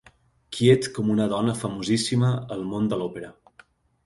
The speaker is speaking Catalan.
Quiet com una dona famosíssima al món de l'òpera.